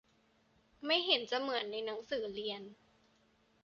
ไม่เห็นจะเหมือนหนังสือเรียน